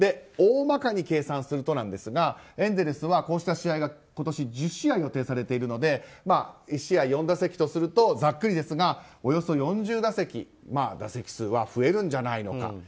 大まかに計算するとエンゼルスは、こうした試合が今年１０試合予定されているので１試合４打席とするとざっくりですがおよそ４０打席打席数は増えるんじゃないのか。